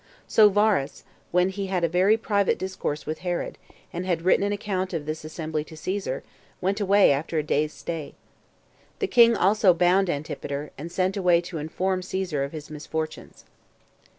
So Varus, when he had had a very private discourse with Herod, and had written an account of this assembly to Caesar, went away, after a day's stay. The king also bound Antipater, and sent away to inform Caesar of his misfortunes.